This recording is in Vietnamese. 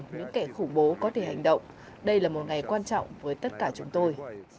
những kẻ khủng bố có thể hành động đây là một ngày quan trọng với tất cả chúng tôi